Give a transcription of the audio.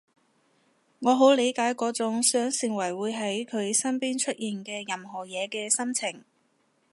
我好理解嗰種想成為會喺佢身邊出現嘅任何嘢嘅心情